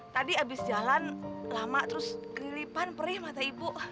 tadi abis jalan lama terus kelilipan perih mata ibu